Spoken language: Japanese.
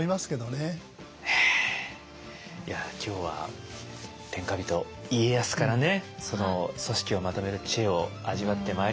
いや今日は天下人家康からね組織をまとめる知恵を味わってまいりましたけれども。